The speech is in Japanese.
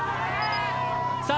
・さあ